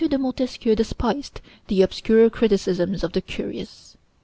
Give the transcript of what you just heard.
de Montesquieu despised the obscure criticisms of the curious.